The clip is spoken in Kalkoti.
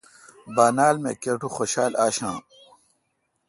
بانال می کٹو خوشال آݭآں۔